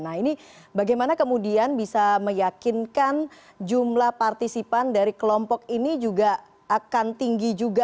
nah ini bagaimana kemudian bisa meyakinkan jumlah partisipan dari kelompok ini juga akan tinggi juga